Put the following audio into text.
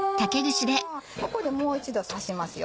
ここでもう一度刺しますよ。